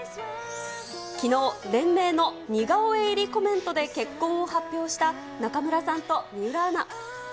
きのう、連名の似顔絵入りコメントで結婚を発表した中村さんと水卜アナ。